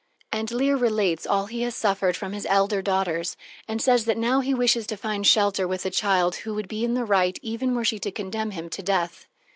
And Leir relates all he has suffered from his elder daughters, and says that now he wishes to find shelter with the child who would be in the right even were she to condemn him to death.